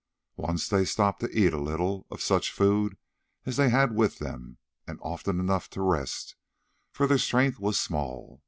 Once they stopped to eat a little of such food as they had with them, and often enough to rest, for their strength was small.